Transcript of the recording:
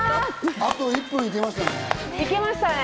あと１分いけましたね。